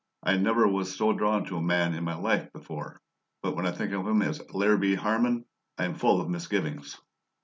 I never was so 'drawn' to a man in my life before. But when I think of him as Larrabee Harman, I am full of misgivings."